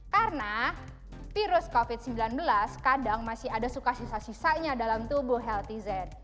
karena virus covid sembilan belas kadang masih ada suka sisa sisanya dalam tubuh healthy zen